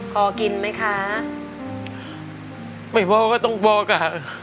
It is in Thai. ข้อเกินไหมคะไปเบาะนึงต้องบอกค่ะ